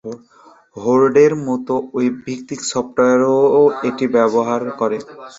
হোর্ডের মতো ওয়েব-ভিত্তিক সফটওয়্যারও এটি ব্যবহার করে।